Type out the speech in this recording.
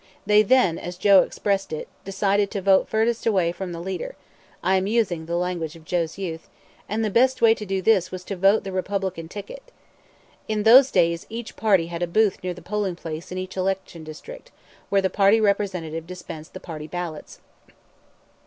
They then, as Joe expressed it, decided "to vote furdest away from the leader" I am using the language of Joe's youth and the best way to do this was to vote the Republican ticket. In those days each party had a booth near the polling place in each election district, where the party representative dispensed the party ballots.